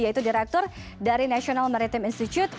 yaitu direktur dari national maritim institute